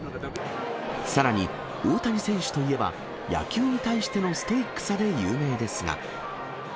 さらに、大谷選手といえば野球に対してのストイックさで有名ですが。